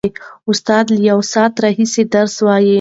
استاد له یوه ساعت راهیسې درس وايي.